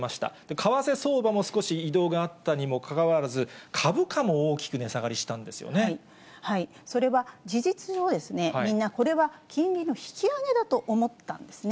為替相場も少し移動があったにもかかわらず、株価も大きく値下がそれは、事実上、みんな、これは金利の引き上げだと思ったんですね。